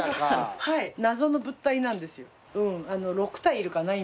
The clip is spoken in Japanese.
はい謎の物体なんですよ。